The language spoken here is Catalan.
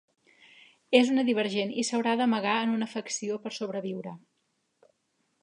És una divergent i s'haurà d'amagar en una facció per sobreviure.